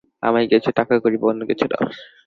আমায় কিছু টাকাকড়ি বা অন্য কিছু দাও।